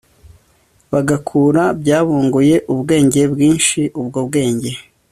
bagakura byabunguye ubwenge bwinshi ubwo bwenge